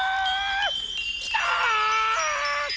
きた！